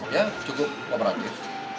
ya cukup kooperatif